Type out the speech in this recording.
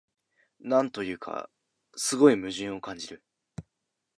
なんというか、すごい矛盾を感じる